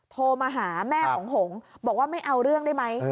โทรมาหาแม่ของหงบอกว่าไม่เอาเรื่องได้ไหม